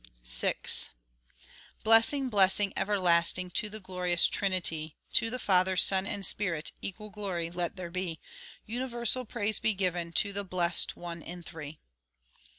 VI Blessing, blessing everlasting, To the glorious Trinity; To the Father, Son, and Spirit, Equal glory let there be; Universal praise be given, To the Blessed One in Three.